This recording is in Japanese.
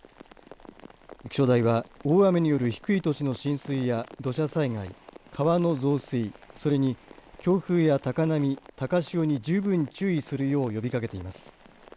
気象台は大雨による低い土地の浸水や土砂災害、川の増水それに強風や高波高潮に十分注意するよう呼びかけています。